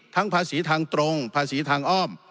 ภาษีทางตรงภาษีทางอ้อม